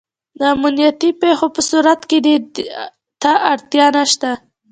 د امنیتي پېښو په صورت کې دې ته اړتیا نشته.